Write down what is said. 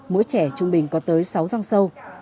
mỗi trẻ trung bình có tới sáu răng sâu